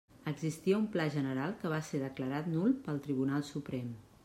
Existia un Pla general que va ser declarat nul pel Tribunal Suprem.